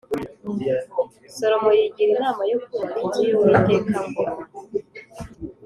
Salomo yigira inama yo kubaka inzu y’Uwiteka ( Ngoma -)